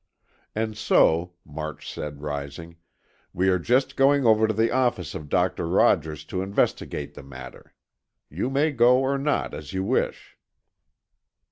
"And so," March said, rising, "we are just going over to the office of Doctor Rogers to investigate the matter. You may go or not, as you wish."